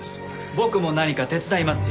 僕も何か手伝いますよ。